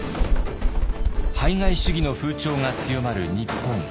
排外主義の風潮が強まる日本。